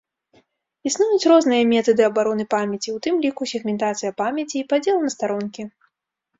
Існуюць розныя метады абароны памяці, у тым ліку сегментацыя памяці і падзел на старонкі.